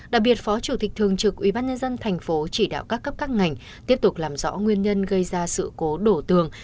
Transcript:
đặc biệt phó chủ tịch thường trực ubnd tp chỉ đạo các cấp các ngành tiếp tục làm rõ nguyên nhân gây ra sự cố đổ tường